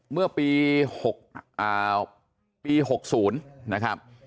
เมื่อปี๖อ่าปี๖๐นะครับ